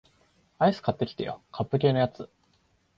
アイス買ってきてよ、カップ系のやつ